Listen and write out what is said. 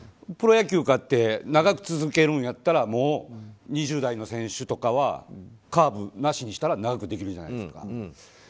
プロ野球だって長く続けるんやったらもう２０代の選手とかはカーブなしにしたら長くできるじゃないですか。